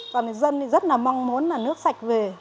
còn dân thì rất là mong muốn là nước sạch về